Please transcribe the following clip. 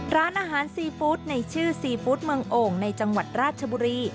ร้านอาหารซีฟู้ดในชื่อซีฟู้ดเมืองโอ่งในจังหวัดราชบุรี